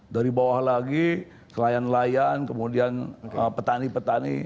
dari bawah lagi selayan layan kemudian petani petani